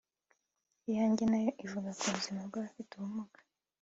Iyanjye nayo ivuga ku buzima bw’abafite ubumuga